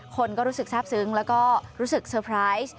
คนก็รู้สึกทราบซึ้งแล้วก็รู้สึกเซอร์ไพรส์